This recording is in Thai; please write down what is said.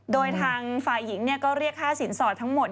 โดยทางฝ่ายหญิงก็เรียกค่าสินสอดทั้งหมด